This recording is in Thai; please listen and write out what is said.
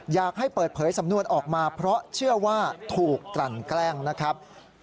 อยากให้เปิดเผยสำนวนออกมาเพราะเชื่อว่าถูกกลั่นแกล้งนะครับ